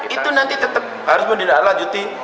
itu nanti tetap harus menindak lanjuti